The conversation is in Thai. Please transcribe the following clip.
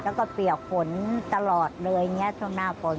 แล้วก็เปียกฝนตลอดเลยอย่างนี้ช่วงหน้าฝน